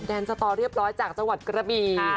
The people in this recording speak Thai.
แดนสตอเรียบร้อยจากจังหวัดกระบี